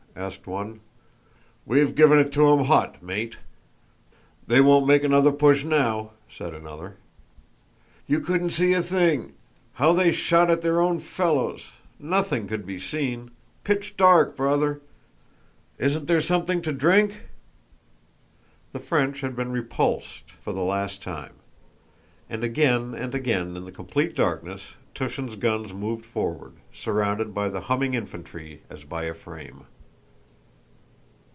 asked one. "We've given it 'em hot, mate! They won't make another push now," said another. "You couldn't see a thing. How they shot at their own fellows! Nothing could be seen. Pitch dark, brother! Isn't there something to drink?" The French had been repulsed for the last time. And again and again in the complete darkness Túshin's guns moved forward, surrounded by the humming infantry as by a frame.